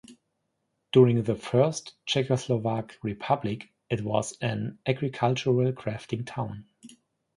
During the first Czechoslovak republic, it was an agricultural-crafting town.